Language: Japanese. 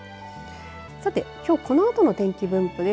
さて、きょうこのあとの天気分布です。